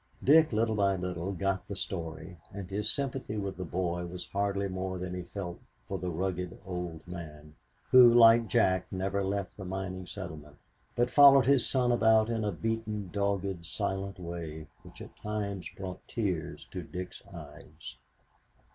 Dick little by little got the story, and his sympathy with the boy was hardly more than he felt for the rugged, old man, who, like Jack, never left the mining settlement, but followed his son about in a beaten, dogged silent way which at times brought tears to Dick's eyes.